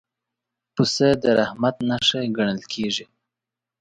پسه د رحمت نښه ګڼل کېږي.